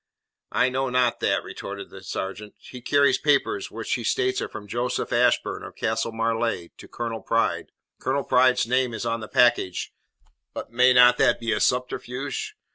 "I know not that," retorted the sergeant. "He carries papers which he states are from Joseph Ashburn, of Castle Marleigh, to Colonel Pride. Colonel Pride's name is on the package, but may not that be a subterfuge?